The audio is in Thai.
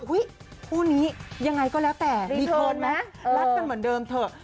อุ้ยผู้นี้ยังไงก็แล้วแต่รักกันเหมือนเดิมเถอะ